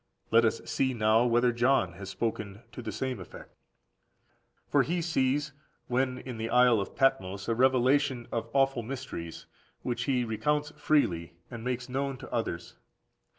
Let us see now whether John has spoken to the same effect. 36. For he sees, when in the isle Patmos, a revelation of awful mysteries, which he recounts freely, and makes known to others.